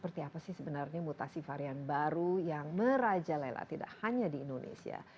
seperti apa sih sebenarnya mutasi varian baru yang merajalela tidak hanya di indonesia